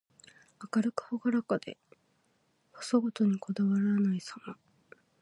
明るくほがらかで、細事にこだわらないさま。